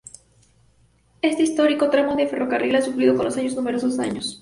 Este histórico tramo de ferrocarril ha sufrido con los años numerosos daños.